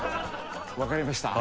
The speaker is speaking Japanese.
わかりました。